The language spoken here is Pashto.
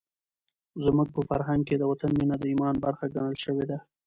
زموږ په فرهنګ کې د وطن مینه د ایمان برخه ګڼل شوې ده.